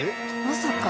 まさか。